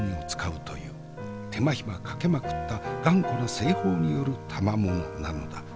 手間暇かけまくった頑固な製法によるたまものなのだ。